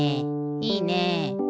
いいね。